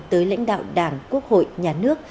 tới lãnh đạo đảng quốc hội nhà nước